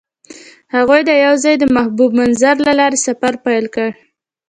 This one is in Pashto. هغوی یوځای د محبوب منظر له لارې سفر پیل کړ.